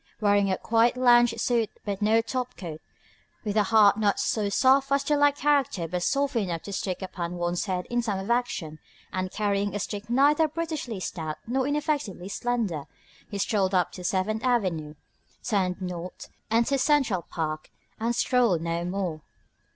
Wearing a quiet lounge suit but no top coat, with a hat not so soft as to lack character but soft enough to stick upon one's head in time of action, and carrying a stick neither brutishly stout nor ineffectively slender, he strolled up to Seventh Avenue, turned north, entered Central Park and strolled no more.